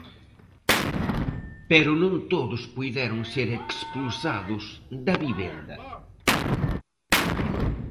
Pero non todos puideron ser expulsados da vivenda.